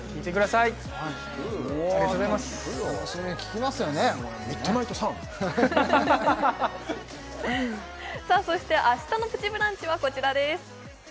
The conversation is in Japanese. さあそして明日の「プチブランチ」はこちらです